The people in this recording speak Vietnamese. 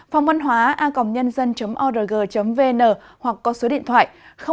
phongvănhoaacomnn org vn hoặc có số điện thoại hai mươi bốn ba mươi hai sáu trăm sáu mươi chín năm trăm linh tám